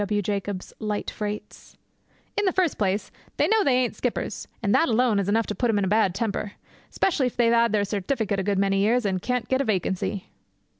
W. Jacobs' Light Freights. 'In the first place, they know they ain't skippers, and that alone is enough to put 'em in a bad temper, especially if they've 'ad their certificate a good many years, and can't get a vacancy.'